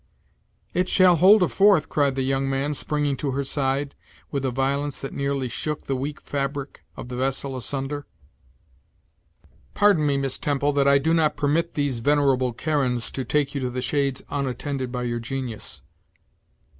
"It shall hold a fourth," cried the young man, springing to her side, with a violence that nearly shook the weak fabric of the vessel asunder. "Pardon me, Miss Temple, that I do not permit these venerable Charons to take you to the shades unattended by your genius."